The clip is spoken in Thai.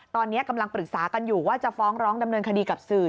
ตอนนี้กำลังปรึกษากันอยู่ว่าจะฟ้องร้องดำเนินคดีกับสื่อ